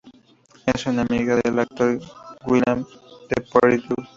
Es muy amiga del actor Guillaume Depardieu.